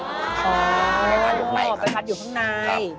อ๋อขอเป็นปั้ดข้างใน